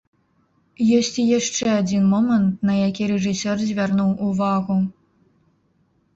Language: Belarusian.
Ёсць і яшчэ адзін момант, на які рэжысёр звярнуў увагу.